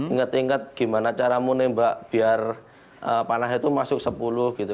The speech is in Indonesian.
ingat ingat gimana cara menembak biar panah itu masuk sepuluh gitu